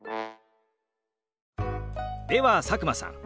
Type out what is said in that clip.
では佐久間さん。